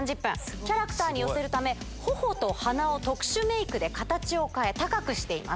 キャラクターに寄せるため、ほほと鼻を特殊メークで形を変え、高くしています。